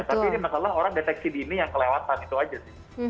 tapi ini masalah orang deteksi dini yang kelewatan itu aja sih